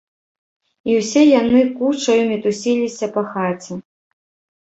І ўсе яны кучаю мітусіліся па хаце.